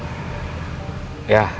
atau di sebelah sana